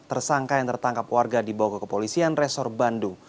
tersangka yang tertangkap warga dibawa ke kepolisian resor bandung